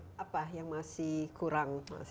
tapi apa yang masih kurang